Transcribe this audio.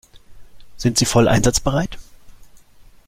Sind Sie voll einsatzbereit?